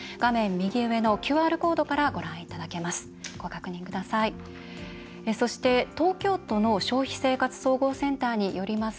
右上のＱＲコードからご覧いただけます。